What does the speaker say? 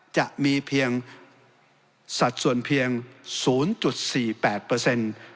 จะมีเพียงสัดส่วนเพียงศูนย์จุดสี่แปดเปอร์เซ็นต์